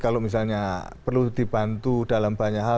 kalau misalnya perlu dibantu dalam banyak hal